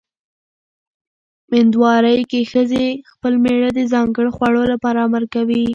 مېندوارۍ کې ښځې خپل مېړه د ځانګړو خوړو لپاره امر کوي.